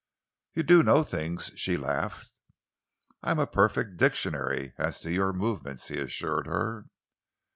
"You do know things," she laughed. "I am a perfect dictionary as to your movements," he assured her.